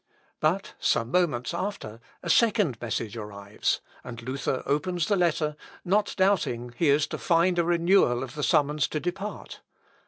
But some moments after a second message arrives, and Luther opens the letter, not doubting he is to find a renewal of the summons to depart.